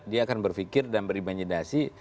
dia akan berpikir dan berimanidasi